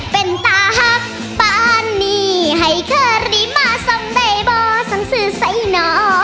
เป็นตาฮักปานีให้เค้าริมาสำใดบ่สังสื่อใส่หนอ